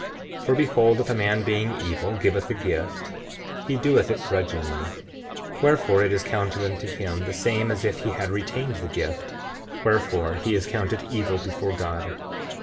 7:8 For behold, if a man being evil giveth a gift, he doeth it grudgingly; wherefore it is counted unto him the same as if he had retained the gift; wherefore he is counted evil before God.